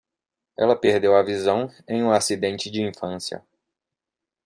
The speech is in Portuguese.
Ela perdeu a visão em um acidente de infância.